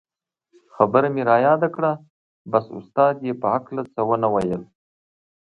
خبره مې رایاده کړه بس استاد یې په هکله څه و نه ویل.